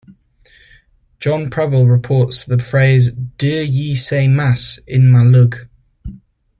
John Prebble reports the phrase Daur ye say Mass in my lug?